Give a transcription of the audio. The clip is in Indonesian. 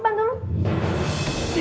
malah nyalain gue